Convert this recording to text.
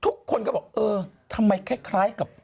ทุกคนก็บอกเออทำไมคล้ายกับ